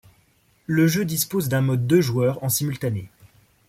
Le jeu dispose d'un mode deux joueurs en simultané.